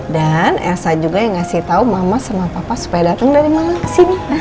dan elsa juga yang ngasih tau mama sama papa supaya dateng dari mana kesini